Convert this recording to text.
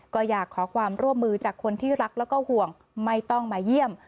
ก็อยากขอความร่วมมือจากคนที่รักแล้วก็ห่วงไม่ต้องมาเยี่ยม